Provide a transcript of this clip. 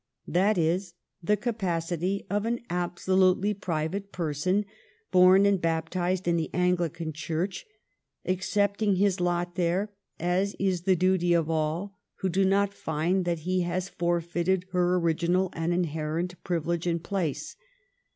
That is the capacity of an 4IO THE STORY OF GLADSTONE'S LIFE absolutely private person, born and baptized in the Anglican Church, accepting his lot there as is the duty of all who do not find that she has forfL'ilL'd Hlt original and iiiluTrnt privilege and place.